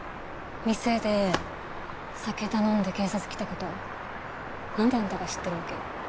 店で酒頼んで警察来た事なんであんたが知ってるわけ？